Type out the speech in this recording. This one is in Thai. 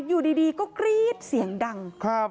อยู่ดีก็กรี๊ดเสียงดัง